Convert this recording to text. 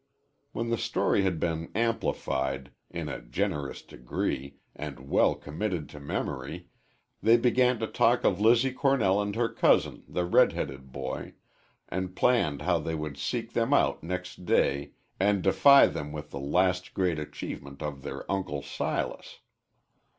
When the story had been amplified, in a generous degree, and well committed to memory, they began to talk of Lizzie Cornell and her cousin, the red headed boy, and planned how they would seek them out next day and defy them with the last great achievement of their Uncle Silas.